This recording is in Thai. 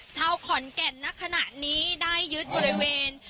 ชาวขอนแก่นณขณะนี้ได้ยึดบริเวณ